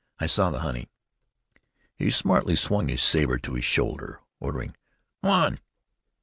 I saw the honey." He smartly swung his saber to his shoulder, ordering, "Come on!"